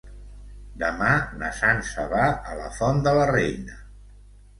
Demà na Sança va a la Font de la Reina.